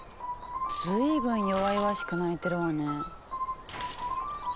随分弱々しく鳴いてるわね。